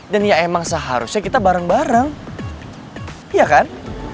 dan ya emang seharusnya kita bareng bareng iya kan